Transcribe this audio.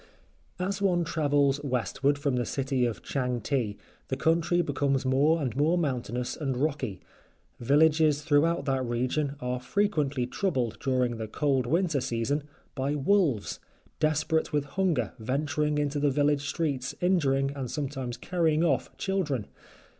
"* As one travels Westward from the city of Changte, the country becomes more and more mountainous and rocky. Villages throughout that region are frequently troubled, during the cold winter season, by wolves, desperate with hunger venturing into the village streets injuring and sometimes carrying off children.